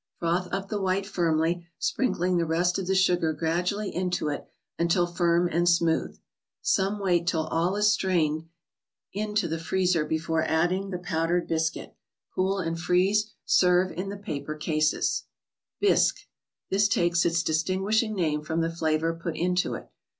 Froth up the white firmly, sprinkling the rest of the sugar gradually into it, until firm and smooth. Some wait till all is strained into the THE BOOK OF ICES. 58 freezer before adding the powdered biscuit. Cool and freeze. Serve in the paper cases. This ta ^ es * ts distinguishing name from the flavor put into it.